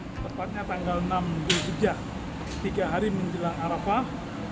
tepatnya tanggal enam julhijjah tiga hari menjelang arafah